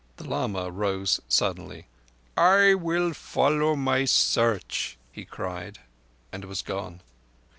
The lama rose suddenly. "I follow my Search," he cried, and was gone.